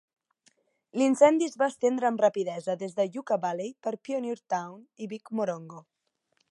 L'incendi es va estendre amb rapidesa des de Yucca Valley per Pioneertown i Big Morongo.